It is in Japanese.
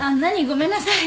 ごめんなさい。